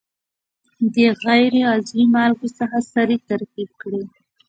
د غیر عضوي مالګو څخه سرې ترکیب کړي.